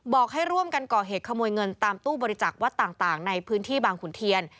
บอกให้ร่วมกันก่อเหตุขโมยเงินตามตู้บริจักษ์วัดต่างในพื้นที่บางขุนเทียน